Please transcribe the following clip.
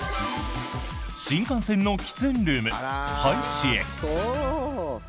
新幹線の喫煙ルーム廃止へ。